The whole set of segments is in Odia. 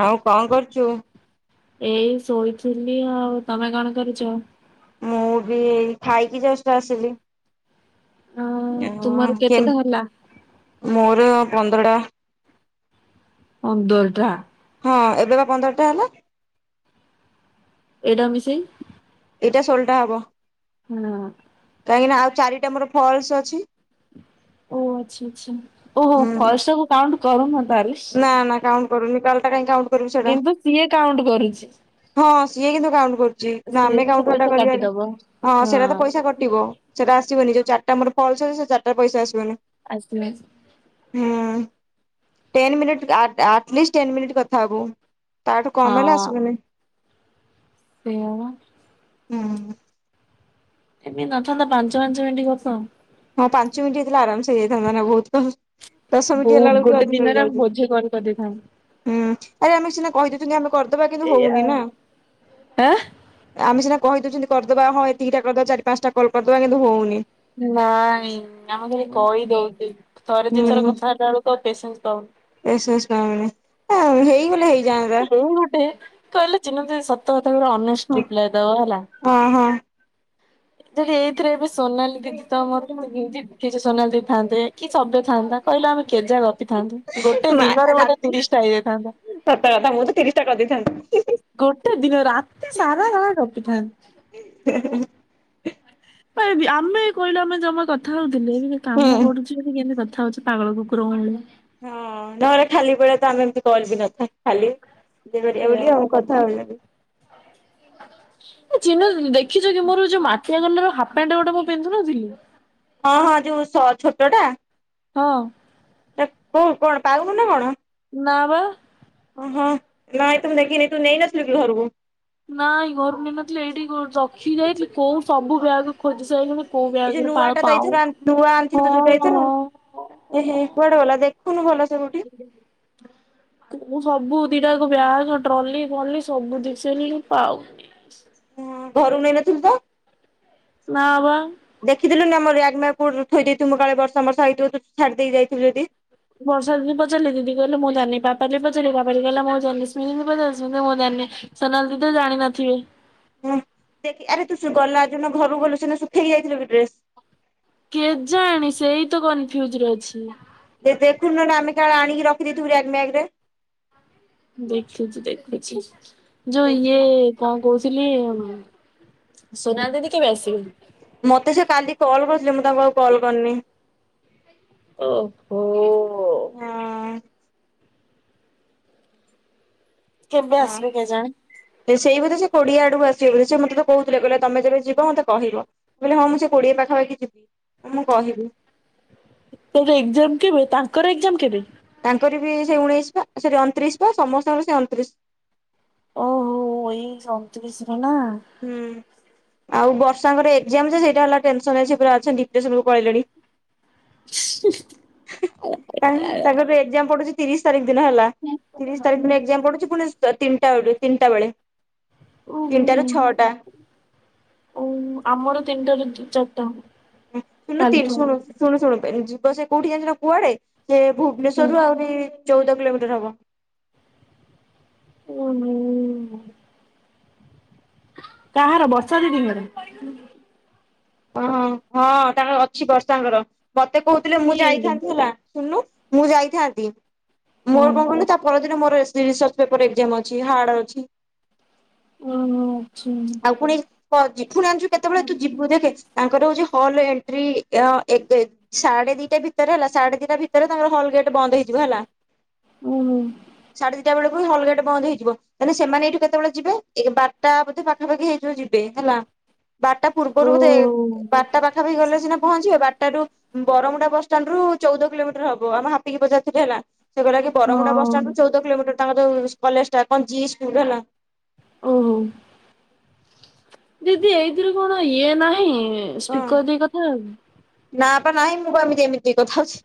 ଆଉ କଣ କରୁଚୁ? ଏଇ ଶୋଇଥିଲି ଆଉ ତମେ କଣ କରୁଛ? ମୁଁ ବି ଖାଇକି ଯଷ୍ଟ ଆସିଲି। ଅଁ ଆ ତୁମର କେ କେତେଟା ହେଲା? ମୋର ପନ୍ଦର ଟା। ପନ୍ଦର ଟା? ହଁ ଏବେ ବା ପନ୍ଦରଟା ହେଲା। ଏଇଟାକୁ ମିଶେଇ କି? ଏଇଟା ଷୋହଳଟା ହବ। ହଁ। କାହିଁକି ନା ଆଉ ଚାରିଟା ମୋର ଫଲ୍ସ ଅଛି। ଓ ଆଚ୍ଛା ଆଚ୍ଛା ଓହୋ ହୁଁ ଫାଷ୍ଟକୁୁ କାଉଣ୍ଟ କରୁ ନ ନା ନା କାଉଣ୍ଟ କରୁନି କଲଟା କାଉଣ୍ଟ କରିବୁ ସେଇଟା କିନ୍ତୁ ସିଏ କାଉଣ୍ଟ୍ କରୁଛି। ହଁ ସିଏ କିନ୍ତୁ କାଉଣ୍ଟ କରୁଛି। ସିଏ ଆମେ କିନ୍ତୁ କାଉଁଟ ପଇସା କରିବା କାଟିଦବ। ହଁ ସେଟା ତ ପଇସା କଟିବ ସେଇଟା ଆସିବନି ଯଦି ଚାରଟା ମର ଫଲସ ସେ ଚଟା ପଇସା ଆସିବନି। ଆସିବ ଆସିବ। ହୁଁ ten minute at least ten minute କଥା ହବୁ। ତାଠୁ କମ୍ ହେଲେ ଆସିବନି। ସେୟା ପା। ହୁଁ। ଏମତି ନଥାନ୍ତା ପାଞ୍ଚ ପାଞ୍ଚ ମିନିଟ୍ କଥା ହଁ ପାଞ୍ଚ ମିନିଟ୍ ହେଇଥିଲା ଆରାମ ସେ ହେଇାଇଥାନ୍ତା ବହୁତ। ଦଶ ମିନିଟ୍ ଏ ବହୁତ ହେଲା ବେଳକୁ ଗୋଟେ ଅଧିକ ଦିନରେ ଆମେ ହେଇଯାଉଛି ବୋଝେ କଲ୍ କରିଦେଇଥାନ୍ତେ। ହୁଁ ଆରେ ଆମେ ସିନା କହିଦେଉଛନ୍ତି ଆମେ କରିଦବା କିନ୍ତୁ ଏଇଆ ହଉନି ନା ଆଁ ଆମେ ସିନା କହିଦଉଛନ୍ତି କରିଦବା ହଁ ଏତିକି ଟା କରିଦବା ଚାରି ପାଞ୍ଚଟା ହେଲା କରିଦବା କିନ୍ତୁ ହଉନି। ନାଇଁ ଆମେ ଖାଲି କହିଦଉଛି ଥରେ ଦି ଥର କଥାବାର୍ତ୍ତା ବେଳକୁ ଆଉ ପେସେନ୍ସ ପାଉନି। ପେସେନ୍ସେ ପାଉନି [unintelligible] ଏଇ ଗୋଟେ କହିଲେ ଚିହ୍ନ ସତ କଥା ଅନେଷ୍ଟ ରିପ୍ଲାଏ ଦବ ହେଲା। ହଁ ହଁ। ଏଥିରେ, ହେଇଥିରେ ଏବେ ସୋନାଲି ଦିଦି ତ ଆମର କିଛି ସୋନାଲି ଦିଦି ଥାଆନ୍ତେ। କି ସବ୍ୟ ଥାନ୍ତା। କହିଲ ଆମେ କେ ଜାଳ ଥାନ୍ତୁ, ଗୋଟେ ମା ଦିନରେ ବୋଧେ ରାତି ତିରିଶ ଟା ହେଇଯାଇଥାନ୍ତା। ସତ କଥା ମୁଁ ତ ତିରିଶ ଟା କରିଦେଇଥାନ୍ତି। ଗୋଟେ ଦିନ, ରାତି ସାରା ଆମେ ଗପିଥାନ୍ତୁ। ଆମେ କହିଲୁ ଆମେ ଜମା କଥା ହଉଥିଲେ? ହୁଁ କାମ ପଡୁଚି ବଲି କେମିତି କଥା କଥା ହଉଛି ପାଗଳ କୁକୁର ଭଳିଆ। ହଁ, ନହେଲେ ଖାଲି ବେଳେ ତ ଆମେ ଏମତି କରି ବି, ନଥାଉ ଖାଲି। ଦେହୁରିଆ ବୋଲି ଆମେ କଥା ହେଉଛନ୍ତି। ହ ଏ ଚିନା ଦିଦି, ଦେଖିଛ କି ମୋର ଯୋଉ ମାଟିଆ କଲର ହାପ୍ ପେଣ୍ଟ, ଗୋଟେ ମୁଁ ପିନ୍ଧୁନଥିଲି? ହଁ, ହଁ। ଯୋଉ ସ-ଛୋଟ ଟା? ହଁ। ଏ କୋଉ କଣ ପାଉନୁ ନା କଣ? ନା ବା। ଓ, ହୋ। ନାଇ ତ ମୁଁ ଦେଖିନି ତୁ ନେଇନଥିଲୁ କି ଘରକୁ? ନାଇ ଘରକୁ ନେଇନଥିଲି। ଏଇଠି କୋଉ-ରଖି ଯାଇଥିଲି। କୋଉ ସବୁ ବ୍ୟାଗ ଖୋଜି ସାରିଲିଣି। କୋଉ ଏଇ ଯୋଉ ବ୍ୟାଗରେ ନୂଆ ପାଳ ଟା, ତ ପାଉ ଏଇଥର ଆ- ନୂଆ ଆଣିଥିଲୁ। ହଁ ଯୋଉଟା ଏଥର, ହଁ। ଏହେ କୁଆଡ଼େ ଗଲା ଦେ ଖୁନୁ ଭଲ। ମୁଁ ସବୁ ଦି ଟା ବ୍ୟାଗ ଟ୍ରଲି, ଫଲି ସବୁ ଦେଖି ସାରିଲିଣି, ପାଉନି। ହଁ, ଘରକୁ ନେଇନଥିଲୁ ତ? ନା ବା ଦେଖିଦେଲୁନି ଆମର ରିୟାକ୍ ମା କଉଠି ରୁଠେଇ ଦେଇଥିମୁ। କାଳେ ବର୍ଷା, ମର୍ଷା ହେଇଥିବ, ତୁ ଛାଡି ଦେଇ ଯାଇଥିବୁ ଯଦି? ବର୍ଷା ଦିଦି ପଚାରିଲି ଦିଦି କହିଲେ ମୁଁ ଜାଣିନି। ପାପାଲି ପଚାରିଲି ପାପାଲି ଦେଇ କହିଲା ମୁଁ ଜାଣନି। ରଶ୍ମି ଦିଦି କି ପଚାରିଛି ମୁଁ ଜାଣନି। ସୋନାଲି ଦିଦି ତ ଜାଣିନଥିବେ। ହୁଁ ଦେଖି, ଆରେ ତୁ ସେ ଗଲା, ଯୋଉ ଦିନ ଘରୁକୁ ଗଲୁ ସେଦିନ ସୁଖେଇକି ଯାଇଥିଲୁ କି ଡ୍ରେସ? କେଜାଣି, ସେଇ ତ କନଫ୍ୟୁଜରେ ଅଛି। ଯେ ଦେଖୁନୁ ନହେଲେ ଆମେ କାଳେ ଆଣିକି ରଖିଦେଇଥିବୁ ରାଗ ମ୍ୟାଗ ରେ। ଦେଖୁଛି ଦେଖୁଛି ଯୋଉ ଇଏ ରେ କଣ କହୁଥିଲି। ସୁନା ଦିଦି କେବେ ଆସିବେ? ମତେ ସେ କାଲି କଲ୍ କରିଥିଲେ। ମୁଁ ତାଙ୍କୁ ଆଉ କଲ୍ କରିନି। ଓହୋ। ହଁ। କେବେ ହଁ ଆସିବେ କେଜାଣି। ସେଇ ବୋଧେ ସେ କୋଡିଏ ଆଡକୁ ଆସିବେ, ବୋଲି ସେ ମତେ କହୁଥିଲେ। କହିଲେ ତମେ ଯେବେ ଯିବ ମତେ କହିବ। ମୁଁ କହିଲି ହଁ ମୁଁ ସେଇ କୋଡ଼ିଏ ପା ପାଖାପାଖି ଯିବି। ମୁଁ କହିବି। ତୋର ଏକ୍ଜାମ କେବେ? ତାଙ୍କର ଏକ୍ଜାମ କେବେ? ତାଙ୍କର ବି ସେ ଉଣେଇଶି ପା। ସରି ଅଣତିରିଶ ପା। ସମସ୍ତଙ୍କର ସେ ଅଣତିରିଶ। ଓହୋ, ଅଣତିରିଶି ନା। ହୁଁ ଆଉ ବର୍ଷାଙ୍କର ଏକ୍ଜାମ୍ ଯେ, ସେଇଟା ହେଲା ଟେନସନ୍ ରେ ସେ ପୁରା ଅଛନ୍ତି ଡିପ୍ରେସନ କୁ ପଳେଇଲେଣି। ତା, ତାଙ୍କର ଏକ୍ଜାମ ପଡୁଛି ତିରିଶ ତାରିଖ ଦିନ, ହେଲା। ତିରିଶ ତାରିଖ ଦିନ ଏକ୍ଜାମ ପଡୁଛି ପୁଣି ତ-ତିନିଟା ବ ତିନିଟା ବେଳେ। ଓହୋ। ତିନିଟାରୁ ଛଅଟା। ଓ ଆମର ତିନିଟା ରୁ, ଚ-ଚାରିଟା। ହୁଁ। ଶୁଣୁ ନୁ, ତିନ ଶୁଣୁ, ଶୁଣୁ, ଶୁଣୁ ଯିବା ଆସିବା କୋଉଠି ଜାଣିଛ ନା କୁଆଡେ? ସେ ହୁଁ। ଭୁବନେଶ୍ଵରରୁୁ ଆହୁରି ଚଉଦ କିଲୋମିଟର ହବ। ଓହୋ। କାହାର ବର୍ଷା ଦିଦିଙ୍କର? ହଁ। ହଁ ତାଙ୍କର ଅଛି ବର୍ଷାଙ୍କର। ମତେ କହୁଥିଲେ ମୁଁ କିଏ ଏଇ ଯୋଉ ଯାଇଥାନ୍ତି ହେଲା। ଶୁଣନୁ ମୁଁ ଯାଇଥାନ୍ତି। ମୋର ହଁ। କଣ କହିନି ତା ପରଦିନ ମୋର, ଏସ୍ ଟି ପି ସପ୍ ପେପର ଏକ୍ଜାମ୍ ଅଛି ହାର୍ଡ ଅଛି। ହୁଁ, ଓହୋ ଆଚ୍ଛା ଆଉ ଫୁଣି ଫଜି। ପୁଣି ଆଣିଛୁ କେତେବେଳେ ତୁ ଯିବୁ ଦେଖେ ତାଙ୍କର ହୋଉଚି ହଲ ଏଣ୍ଟ୍ରି ଅ ଏକ ସାଢେ ଦି ଗୋଟେ ଭିତରେ ହେଲା ସାଢେ ଦିଟା ଭିତରେ ତାଙ୍କର ହଲ ଗେଟ ବନ୍ଦ ହେଇଯିବ ହେଲା। ଓହୋ ସାଢ଼େ ଦିଟା ବେଳ ହଲଗେଟ ବନ୍ଦ ହେଇଯିବ ତାହେଲେ ସେମାନେ ଏଇଠୁ କେତେବେଳେ ଯିବେ ଏ ବାରଟା ବଧେ ପାଖାପାଖି ହେଇଥିବ ଯିବେ ହେଲା। ବାରଟା ଓ ପୂର୍ବରୁ ବୋଧେ ବାରଟା ପାଖାପଖି ଗଲେ ସିନା ପହଞ୍ଚିବେ ବାରଟା ରୁ ବରମୁଣ୍ଡା ବସଶ୍ଟାଣ୍ଡ ରୁ ଚଉଦ କିଲୋମିଟର ହବ ଆମ ହାପିକି ପଚାରୁଥିଲି ହେଲା। ସେ କହିଲା କି ବରମୁଣ୍ଡା ବସ ହଁ। ଷ୍ଟାଣ୍ଡ ରୁ ଚଉଦ କିଲୋମିଟର ତାଙ୍କ ଯୋଉ କଲେଜ ଟା କଞ୍ଚି ସ୍କୁଲ ହେଲା। ଓହୋ ଦିଦି ଏଇଥିରୁ କଣ ଇଏ ନାହିଁ। କଣ ସ୍ପିକର ଦେଇ କଥା ହବାକୁ। ନା ବା ନାହିଁ ମୁଁ ବା ଏମିତି ଏମିତି କଥା ହଉଚି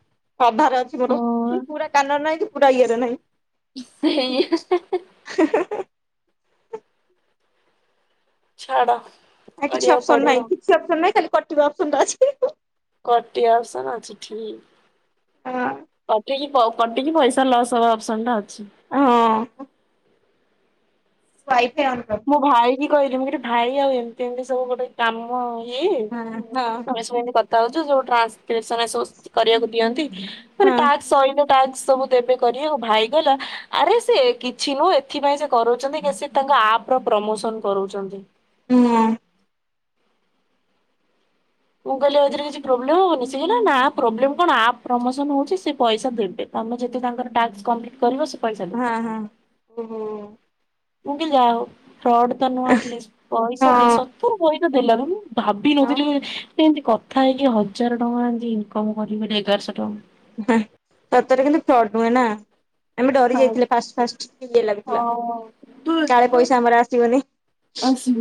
ଅଧାରେ ଅଛି ମୋର ହଁ ପୁରା କାନ ରେ ନାହିଁକି। ପୁରା ଇଏ ରେ ନାହିଁ। ସେୟା। ଛାଡ। ଆ କିଛି କରିବାକୁ ଅପସନ ପଡିବ ନାହିଁ କିଛି ଅପସନ ନାହିଁ ଖାଲି କଟିବ ଅପସନ ଟା ଅଛି। କଟି ଅପସନ ଅଛି ଠିକ [unintelligible] କଟିକି ପଇସା ଲସ୍ ହବା ଅପସନ ଟା ଅଛି। ଭାଇ ମୁଁ ଭାଇ କି କହିଲି ମୁ ଭାଇ ଆଉ ଏମିତି ଏମିତି ସବୁ ଗୋଟେ କାମ ହଁ ହଁ ତମେ ସେତି କଥା ହୋଉଚୁ ସବୁ ଟ୍ରାନ୍ସସ ସବୁ କରିବାକୁ ଦିଅନ୍ତି। ମାନେ ହଁ ତା ସହିତ ସବୁ ଦେବେ କରିବାକୁ ଭାଇ କହିଲା ଆରେ ସେ କିଛି ନୁହଁ ଏଥିପାଇଁ ସେ କରୋଉଚନ୍ତି କି ସେ ତାଙ୍କ ଆପ ପ୍ରମୋସନ କରୁଛ ହୁଁ। ମୁଁ କହିଲି ଏଇଥୀରେ କିଛି ପ୍ରୋବ୍ଲେ ହବନି। ସେ କହିଲା ନା ପ୍ରୋବ୍ଲେମ୍ କଣ ଆ ପ୍ରମୋସନ ହୋଉଚି ସେ ପଇସା ଦେବେ ତମେ ଯେତେ ତାଙ୍କର ଟା କମ୍ପ୍ଟ୍ କରିବ ପଇସା ଦେବେ। ହଁ ହଁ ଓହୋ। ମୁଁ କି ଯା ହଉ ଫ୍ରଡ ତ ନୁଆଁ ଆଟଲିଷ୍ଟି ପଇସା ଦେଇ ହଁ ସତରୁ ପଇସା ଦେଲ ଭାବ ଆଉ ନଥିଲି ଏମିତି କଥା ହେଇକି ହଜାର ଟଙ୍କା ଏମିତି ଇନକମ କରି ଏଗାରଶହ ସତରେ କିନ୍ତୁ ଫ୍ରାଡ ନୁହେଁ ନା ଆମେ ଡରି ଯାଇଥିଲେ ଫାଷ୍ଟ ଫାଷ୍ଟ ଲାଗୁଥିଲା ହଁ କାଳେ ପଇସା ଆମର ଆସିବନି। ଆସି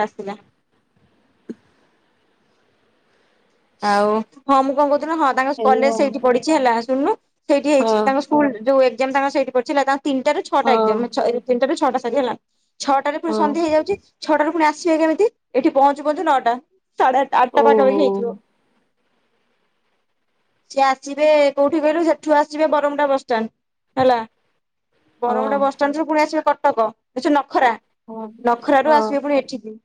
ଆସିଲା। ଆଉ ହଁ ମୁଁ କଣ କହୁଥିଲି ହଁ ତାଙ୍କ କଲେଜ ଏଇଆ ସେଇଠି ପଢିଚି ହେଲା ଶୁଣୁନୁ ସେଇଠି ହେଇଚି ଆଉ। ତାଙ୍କ ସ୍କୁଲ ଯୋଉ ଏକ୍ଜାମ ତାଙ୍କ ସେଇଠି ପଡିଚି ତାଙ୍କ ତିନିଟାରୁ ଛଅଟା ହଁ ତିନଟ ଛଅ ହେଲା ଛଅଟାରେ ପୁଣି ହଁ ସନ୍ଧ୍ୟା ହେଇଯାଉଛି ଛଅଟାରୁ ପୁଣି ଆସିବେ କେମିତି ଏଠି ପହଞ୍ଚୁ ପହଞ୍ଚୁ ନଅଟା। ସାଢେ ଆଠଟା ଆଟ୍ ହଁ ଟା ଓହୋ ପାଖାପାଖି ହେଇଯିବ। ସେ ଆସିବେ କୋଉଠି କହିଲୁ ସେଠୁ ଆସିବେ ବରମୁଣ୍ଡା ବସଷ୍ଟାଣ୍ଡ ହେଲା। ହଁ ବରମୁଣ୍ଡା ବସଷ୍ଟାଣ୍ଡ ରୁ ପୁଣି ଆସିବେ କଟକ ନ ନଖରା ହଁ ନଖର ରୁ ହଁ ଆସିବେ ପୁଣି ଏଠିକି।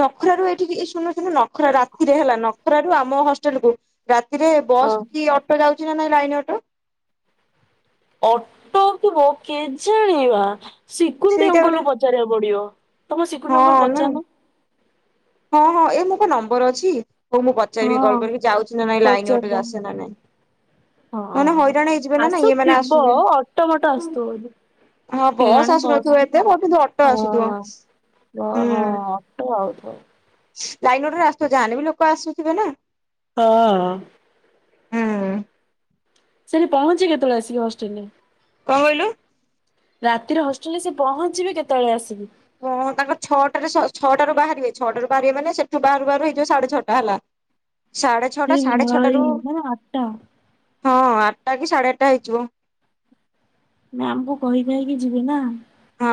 ନଖର ର ଏଇଠିକି ଶୁଣୁ ଶୁଣୁ ନଖରା ରାତିରେ ହେଲା ନଖର ର ଆମ ହଷ୍ଟେଲ କୁ ରାତିରେ ହଁ ବସ୍ କି ଅଟୋ ଯାଉଛି ନା ନାଇଁ ଲାଇନ ଅଟୋ। ଅଟୋ ଥିବ କେ ଜାଣିବା। ସିକୁରୁଟି ସେଇଟା ଗୋଟେ ଅଙ୍କଲକୁ ପଚାରିବାକୁ ପଡିବ, ତମେ ଶିକୁନ୍ତି ହଁ ଅଙ୍କଲ ନା ପଚାରୁନୁ? ହଁ ହଁ ଏ ମୋର ନମ୍ବର ଅଛି। ହଉ ମୁଁ ହଁ ପଚାରିବି କଲ୍ କରିବି ଯାଉଚି ନା ନାଇଁ ଲାଇନ ଅଟେ ପଚାରିଦବା। ଆସେ ନା ନାଇଁ। ହଁ ହ ନହେଲେ ହଇରାଣ ହେଇଯିବେ ନା ନାଇଁ ଇଏ ମାନେ ଆସୁଥିବ ଆସିବେ ଅଟୋ ମଟ ଆସୁଥିବ। ହଁ ବସ୍ କେଇଯାଣି ଆସୁନଥିବ ବସ ଏତେ ବ କିନ୍ତୁ ଅଟୋ ଆସୁଥିବ ହଁ ହୁଁ ହଁ। ଲାଇନ ଅଟୋରେ [unintelligible] ଯାହା ବି ଲୋକ ଆସୁଥିବେ ନା। ହଁ। ହୁଁ। ସେଠି ପହଞ୍ଚି କେତେବେଳେ ଆସିକି ହଷ୍ଟେଲରେ। କଣ କହିଲୁ? ରାତିରେ ହଷ୍ଟେଲରେ ସେ ପହଞ୍ଚିବି କେତେବେଳେ ଆସିବି? ହଁ ତାଙ୍କ ଛଅଟାରେ ସ ଛଅଟାରୁ ବାହାରିବେ ଛଅଟାରୁ ବାହାରିବେ ମାନେ ସେଠୁ ବାହାରୁ ବାହାରୁ ହେଇଯିବ ସାଢେ ଛଅ [unintelligible] ସାଢେ ଏ ଛଅଟା ସାଢେ ଛଅଟ ଭାଇ ରୁ ମାନେ ଆଠଟା ହଁ ଆଠଟା କି ସାଢେ ଆଠଟା ହେଇଯିବ। ମ୍ୟାମଙ୍କୁ କହିି କୁହାଇକି ଯିବିନା। ହଁ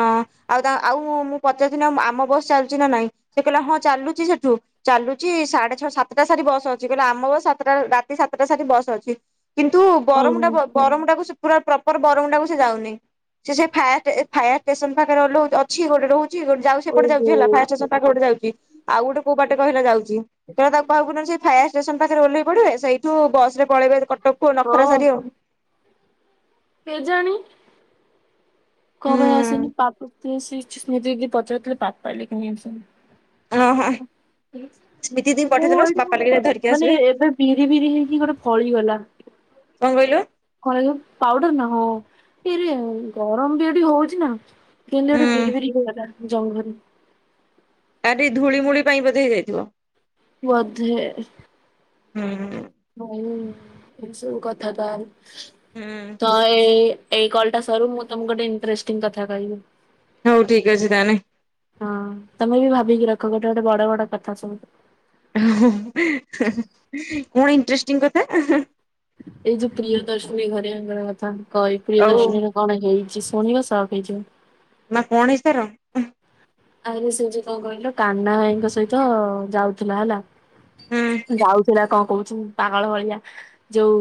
ଆଉ ତା ଆଉ ମୁଁ ପଚାଶ ଦିନ ହବ ଆମ ବସ୍ ଚାଲିଛି ନା ନାଇଁ ସେ କହିଲା ହଁ ଚାଲୁଛି ସେଠୁ ଚା ଚାଲୁଛି ସାଢେ ଛଅ ସାତଟା ସାରି ବସ ଅଛି କହିଲ ଆମ ବସ ସାତଟା ରାତି ସାତଟା ସାରି ବସ ଅଛି। କିନ୍ତୁ ଓହୋ ବରମୁଣ୍ଡା ବ ବରମୁଣ୍ଡାଟାକୁ ସିଏ ପୁରା ପ୍ରପର ବରମୁଣ୍ଡାଟାକୁ ସେ ଯାଉନି ସିଏ ସେ ଫାଷ୍ଟେ ଏ ଫାୟାର ଷ୍ଟେସନ ପାଖରେ ଓହ୍ଲଉ ଅଛି ଗୋଟେ ରହୁଛି ଗୋଟ ଯାଉ ସେପଟେ ଓହୋ ଯାଉଛି ହେଲା ଫାୟର ଷ୍ଟେସନ ପାଖରେ ଗୋଟେ ଯାଉଛି। ଆଉ ଗୋଟେ କୋଉ ବାଟେ କହିଲ ଯାଉଛି ତ [unintelligible] ତାକୁ କହିବୁ ସେ ଫାୟାର ଷ୍ଟେସନ ପାଖରେ ଓହ୍ଲେଇ ପଡିବେ ସେଇଠୁ ବସରେ ପଳେଇବେ କଟକକୁ ନଖରା ହଁ ସାରି ଆଉ କେଜାଣି କଁ ପାଇଁ ଆସିନି ହୁଁ ପା [unintelligible] ସ୍ମୃତି ଦିଦି ପଚାରୁ ଥିଲେ ପପାଲି କାହିଁ ଓହୋ ଆସୁନି? ସ୍ମିତି ଦେଇ ହଁ ପଠେଇଦେଲ ଏଠି ବାପା ଲାଗି ଧରିକି ମାନେ ଆସିବେ ଏବେ ବିରି ବିରି ହେଇକି ଗୋଟେ ଫଳିଗଲା। କଣ କହିଲୁ [unintelligible] ପାଉଡ଼ର ନାଁ ହଁ। ଏଇରେ ଗରମ ବି ଏଠି ହଉଛି ନା କିନ୍ତୁ ହୁଁ ଏଠି ବିରି ବିରି ହେଇଗଲା। ଜଙ୍ଗଲ। [unintelligible] ଧୂଳିମୂଳି ପାଇଁ ବଧେ ହେଇଯାଇଥିବ। ବଧେ ହେ ହୁଁ। ହୋଉ ଏସବୁ କଥା ତାହେଲେ ହୁଁ ତ ଏ ଏଇ କଲଟା ସରୁ ମୁଁ ତମକୁ ଗୋଟେ ଇନଷ୍ଟ୍ରେଟିଙ୍ଗ କଥା କହିବି। ହଉ ଠିକ ଅଛି ତାହେନେ। ହଁ ତମେ ବି ଭାବିକି ରଖ ଗୋଟେ ଗୋଟେ ବଡ ବଡ କଥା ସବୁୁ କଣ ଇନଷ୍ଟ୍ରେଟିଙ୍ଗ କଥା? ଏଇ ଯୋଉ ପ୍ରିୟ ଦର୍ଶିନୀ ଘରେ [unintelligible] କଥା କଇ ପ୍ରିୟ ଆଉ ଦର୍ଶିନୀରେ କଣ ହେଇ ଯିଏ ଶୁଣିବ ସକ ହେଇଯିବ। ମା କଣ ହେଇଚି ତାର? ଆରେ ସେ ଯଉ କଣ କହିଲ କାହ୍ନା ଭାଇଙ୍କ ସହିତ ଯାଉଥିଲା ହେଲା। ହୁଁ ଯାଉ ସେଟା କଣ କହୁଛି ପାଗଳ ଭଳିଆ ଯୋଉ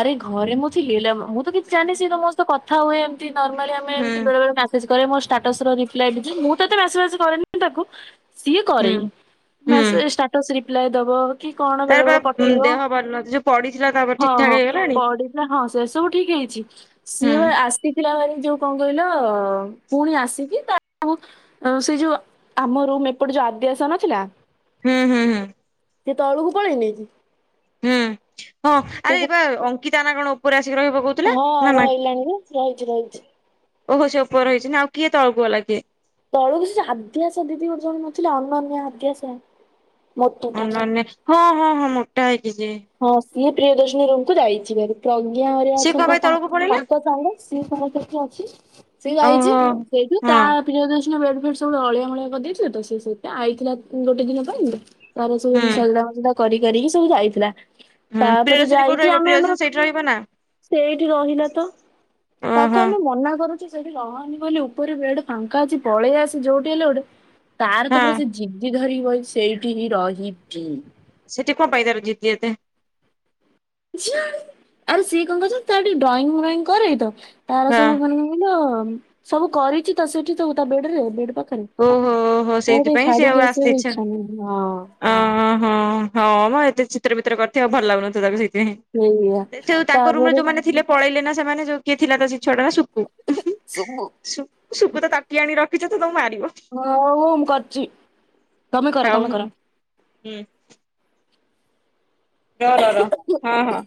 ଆରେ ଘରେ ମୁଁ ଥିଲି ହେଲେ ମୁଁ ତ କିଛି ଜାଣି ସେ ସମସ୍ତେ କଥା ହୁଏ ଏମତି ନର୍ମାଲି ଆମେ ହୁଁ ଏମତି ବେଳେବେଳେ ମ୍ୟାସେଜ କରେ ମୋ ଷ୍ଟାଟସର ରିପ୍ଲାଏ ବି ଦିଏ ମୁଁ ତ ଏତେ ମେସେ ମେସେ କରେନି ତାକୁ ସିଏ କରେ ହୁଁ ହୁଁ ମେସ ଷ୍ଟାଟସ୍ ରିପ୍ଲାଏ ଦବ। କି କଣ ତାର ବେଳେ ବା ବେଳେ ପଠେଇବ ଦେହ ଭଲ ନଥିଲା ଯୋଉ ପଡିଥିଲା ତାପରେ ଠିକ ହଁ ଠାକ ହଁ ହେଇଗଲାଣି ପଢ଼ିଲା ହଁ ସେ ସବୁ ଠିକ ଅ ଚି ହୁଁ ସିଏ ବା ଆସିଥିଲା ଭାରି ଯୋଉ କଣ କହିଲ ପୁଣି ଆସିକି ତା ସବୁ ସେ ଯୋଉ ଆମ ରୁମ ଏପଟ ଯୋଉ ଆଦ୍ୟାସା ନଥିଲା। ହୁଁ ହୁଁ ହୁଁ। ସେ ତଳୁକୁ ପଣେଇନିକି? ହୁଁ ହଁ ଆରେ ଯୋଉ ଏପା ଅଙ୍କିତା ନା କଣ ଉପରେ ଆସିକି ରହିବ କହୁଥିଲେ ହଁ ନା ରହିଲାଣି ଯେ ରହିଛି ରହିଛି। ନାଇଁ ଓହୋ ସେ ଉପର ରହିଛି ନାଁ ଆଉ କିଏ ତଳକୁ ଗଲା କିଏ? ତଳକୁ ସେ ଆଦ୍ୟାସା ଦିଦି ଗୋଟେ ଜଣ ନଥିଲେ ଅନନ୍ୟା ଆଦ୍ୟାସା ମୋଟାଟା ଅନଲାଇନରେ ହଁ ହଁ ହଁ ମୋଟା ହେଇକି ଯିଏ। ସିଏ ପ୍ରିୟଦର୍ଶନୀ ରୁମକୁ ଯାଇଛି ଭାରି। ପ୍ରଜ୍ଞା ହରିଆ ସିଏ କଣ ଅଛନ୍ତି ପାଇଁ ତଳକୁ ପଳେଇଲା? ତାଙ୍କ ସାଙ୍ଗ ସିଏ ସମସ୍ତେ ଅଛି ସିଏ ଓହୋ ଯାଇଛି। ତା ହଁ ପ୍ରିୟଦ ବେ ସବୁ ଅଳିଆ ଅଳିଆ କରିଦେଇଥିଲୁ ତ ସେ ସଇତ ଆଇଥିଲା ଗୋଟେ ଦିନ ପାଇଁନ୍ତ ତାର ସବୁ ହୁଁ ସଜା କରି କରିକି ସବୁ ଯାଇଥିଲା। ହୁଁ ତାପରେ ପ୍ରିୟଦର୍ଶିନୀ କୋଉଠି ଯାଇଛି ରହିବ ଆମେ ଆମର ପ୍ରିୟଦର୍ଶିନୀ ସେଇଠି ରହିବ ନା ସେଇଠି ରହିଲା ତ। ଓହୋ ତାକୁ ଆମେ ମନା କରୁଛୁ। ତୁ ସେଠି ରହନି କହିଲି ଉପରୁ ବେଡ କଣଙ୍କା ଅଛି ପଳେଇ ଆସି ଯୋଠି ହେଲେ ଗୋଟେ ତାର ତ ହଁ ପରା ସେ ଜିଦି ଧରି ସେଇଠି ହିଁ ରହିବି। ସେଟି କଣ ପାଇଁ ଜିଦି ଏତେ। ସିଆଳି ଆରେ ସିଏ କଣ କରୁଛନ୍ତି ତାର ଟିକେ ଡ୍ରଇଂଙ୍ଗ ମଇଂଙ୍ଗ କରେତ ତାର ହଁ ସବୁ ମାନେ କହିଲ ସବୁ କରିଛି ତ ସେଠି ତା ବେଡ୍ ରେ ତା ବେଡ୍ ପା ଓହୋ ହୋ ସେଇଥିପାଇଁ ସେ ଆଉ ଆସିତେ ଆସିବାକୁ ଇଛା ଇଚ୍ଛା ନାହିଁ ହଁ ଅହଂ ହଉ। ଏତେ ଚିତ୍ରିତ୍ର କରି ଭଲ ଲାଗୁନ ତାକୁ ସେ ସେଇଆ। ହଁ ତାଙ୍କ ରୁମରେ ତାପରେ ଯୋଉମାନେ ଥିଲେ ପଳେଇଲେ ନା ସେମାନେ ଯୋଉ କିଏ ଥିଲା ତ ସେ ଛ ଟଙ୍କା ଶକୁ ସବୁ ସୁକୁ ତ ତାଟି ଆଣି ରଖିଛ ତୋ ମା ହ ମୁଁ କରଛି ତମେ କର ହଉ ତମେ ହଉ କର। ହୁଁ ର ର ର ହଁ ହଁ।